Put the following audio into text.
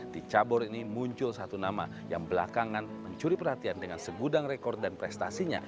di cabur ini muncul satu nama yang belakangan mencuri perhatian dengan segudang rekor dan prestasinya